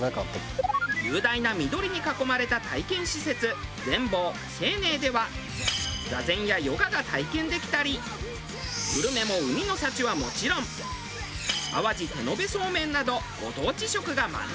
雄大な緑に囲まれた体験施設禅坊靖寧では座禅やヨガが体験できたりグルメも海の幸はもちろん淡路手延べそうめんなどご当地食が満載。